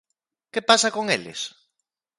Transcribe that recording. ¿Que pasa con eles?